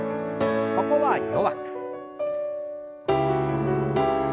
ここは弱く。